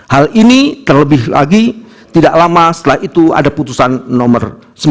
hal ini terlebih lagi tidak lama setelah itu ada putusan nomor sembilan